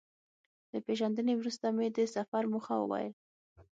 له پېژندنې وروسته مې د سفر موخه وویل.